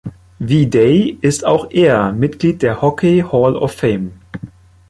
Wie Day ist auch er Mitglied der Hockey Hall of Fame.